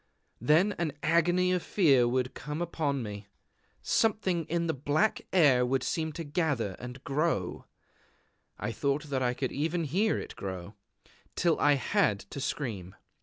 Then an agony of fear would come upon me. Something in the black air would seem to gather and grow (I thought that I could even hear it grow) till I had to scream.